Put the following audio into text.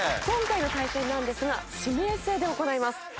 今回の対戦なんですが指名制で行います。